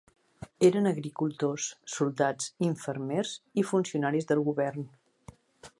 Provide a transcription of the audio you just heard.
Eren agricultors, soldats, infermers i funcionaris del govern.